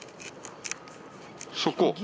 そこ？